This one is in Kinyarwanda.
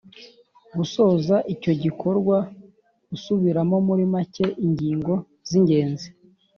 Gusoza icyo gikorwa usubiramo muri make ingingo z ingenzi